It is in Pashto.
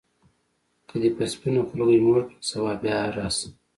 که دي په سپینه خولګۍ موړ کړم سبا بیا راشم.